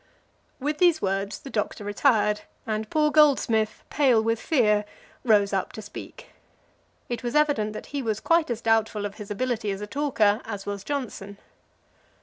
With these words the Doctor retired, and poor Goldsmith, pale with fear, rose up to speak. It was evident that he was quite as doubtful of his ability as a talker as was Johnson.